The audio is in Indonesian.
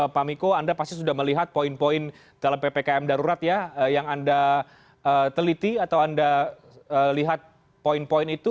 pak miko anda pasti sudah melihat poin poin dalam ppkm darurat ya yang anda teliti atau anda lihat poin poin itu